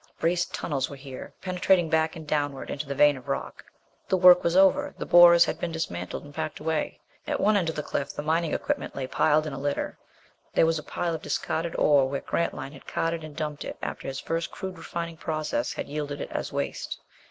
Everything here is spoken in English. Braced tunnels were here, penetrating back and downward into the vein of rock. The work was over. The borers had been dismantled and packed away. At one end of the cliff the mining equipment lay piled in a litter. There was a heap of discarded ore where Grantline had carted and dumped it after his first crude refining process had yielded it as waste.